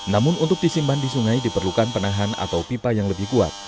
namun untuk disimpan di sungai diperlukan penahan atau pipa yang lebih kuat